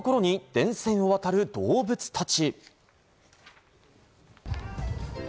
電線を渡る動物たち。